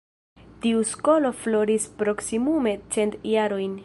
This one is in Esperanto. Tiu skolo floris proksimume cent jarojn.